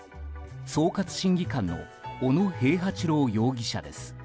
総括審議官の小野平八郎容疑者です。